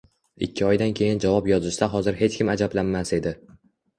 ikki oydan keyin javob yozishsa hozir hech kim ajablanmas edi.